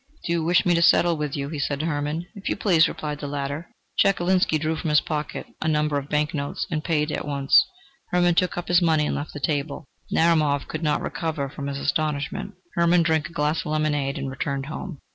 "Do you wish me to settle with you?" he said to Hermann. "If you please," replied the latter. Chekalinsky drew from his pocket a number of banknotes and paid at once. Hermann took up his money and left the table. Narumov could not recover from his astonishment. Hermann drank a glass of lemonade and returned home.